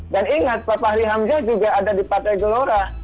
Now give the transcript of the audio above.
ingat pak fahri hamzah juga ada di partai gelora